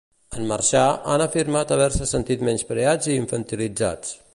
En marxar, han afirmat haver-se sentit menyspreats i infantilitzats.